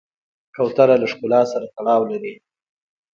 کوتره له ښکلا سره تړاو لري.